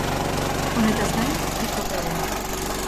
Honetaz gain bi kopa ere bai.